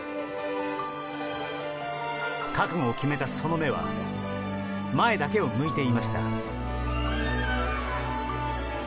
覚悟を決めたその目は前だけを向いていました。